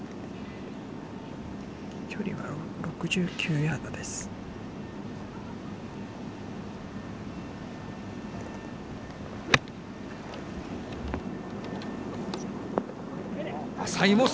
距離は６９ヤードです。